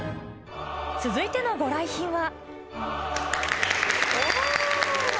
続いてのご来賓は